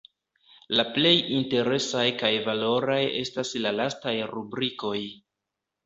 La plej interesaj kaj valoraj estas la lastaj rubrikoj.